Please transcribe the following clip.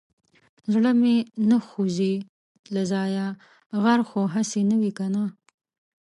زړه مې نه خوځي له ځايه غر خو هسي وي که نه.